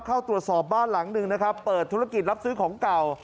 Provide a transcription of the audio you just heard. เข้าตรวจสอบบ้านหลังหนึ่งนะครับเปิดธุรกิจรับซื้อของเก่า